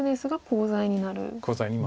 コウ材にもなる。